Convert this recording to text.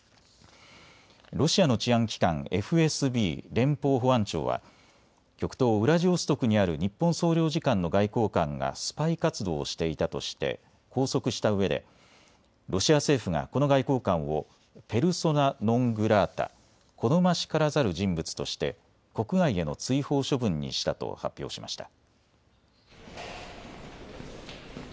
ロシアの治安機関、ＦＳＢ・連邦保安庁は極東ウラジオストクにある日本総領事館の外交官がスパイ活動をしていたとして拘束したうえでロシア政府がこの外交官をペルソナ・ノン・グラータ、好ましからざる人物として国外への追放処分にしたと発表しました。